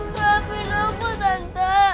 nangkepin aku tante